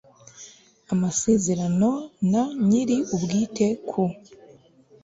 amasezerano na nyir ubwite ku